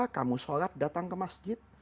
kamu sholat datang ke masjid